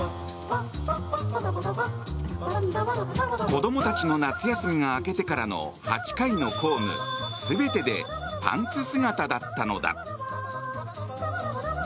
子供たちの夏休みが明けてからの８回の公務全てでパンツ姿だったのだ。